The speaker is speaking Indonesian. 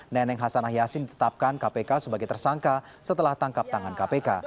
neneng hasanah yasin ditetapkan kpk sebagai tersangka setelah tangkap tangan kpk